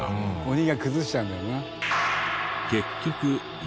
鬼が崩しちゃうんだよな。